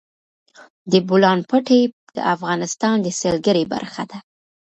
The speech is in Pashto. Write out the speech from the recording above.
د بولان پټي د افغانستان د سیلګرۍ برخه ده.